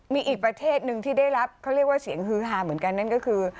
มีอีกประเทศหนึ่งที่ได้รับเขาเรียกว่าเสียงฮือฮาเหมือนกันนั่นก็คือ